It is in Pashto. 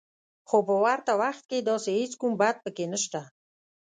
خو په ورته وخت کې داسې هېڅ کوم بد پکې نشته